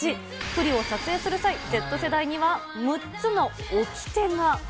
プリを撮影する際、Ｚ世代には６つのおきてが。